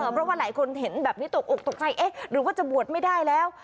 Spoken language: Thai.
เพราะว่าหลายคนเห็นแบบนี้ตกอกตกใจเอ๊ะหรือว่าจะบวชไม่ได้แล้ว